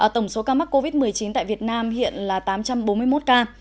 tổng số ca mắc covid một mươi chín tại việt nam hiện là tám trăm bốn mươi một ca